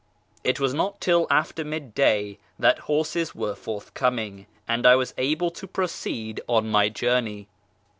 It was not till after mid day that horses were forthcoming and I was able to proceed on my journey.